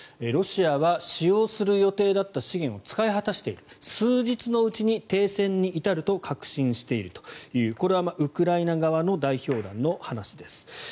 ロシアは使用する予定だった資源を使い果たしている数日のうちに停戦に至ると確信しているというこれはウクライナ側の代表団の話です。